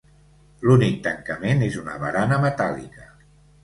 L'únic tancament és una barana metàl·lica.